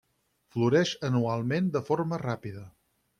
Floreix anualment de forma ràpida.